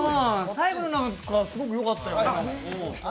最後のなんか、すごくよかったよ。